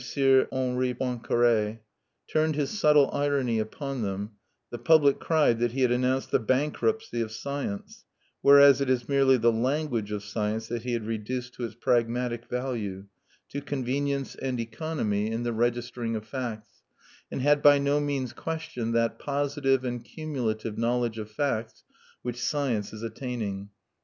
Henri Poincaré, turned his subtle irony upon them, the public cried that he had announced the "bankruptcy of science," whereas it is merely the language of science that he had reduced to its pragmatic value to convenience and economy in the registering of facts and had by no means questioned that positive and cumulative knowledge of facts which science is attaining.